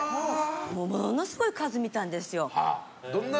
ものすごい数、見たんですよ。